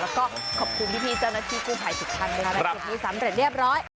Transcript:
แล้วก็ขอบคุณพี่เจ้าหน้าที่กูถ่าย๑๐๐๐๐บาทในวันนี้สำเร็จเรียบร้อย